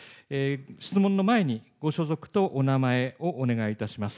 質問の前にご所属とお名前をお願いいたします。